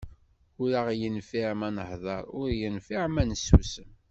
Ur aɣ-yenfiɛ ma nahḍer, ur yenfiɛ ma nessusem.